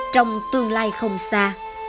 trong tương lai không xa